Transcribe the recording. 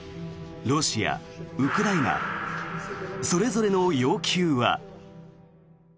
ロシア、ウクライナそれぞれの要求は。